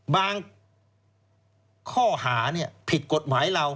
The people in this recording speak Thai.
ข้อหาผิดกฎหมายเรา